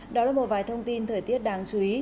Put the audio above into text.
đó là một vài thông tin thời tiết đáng chú ý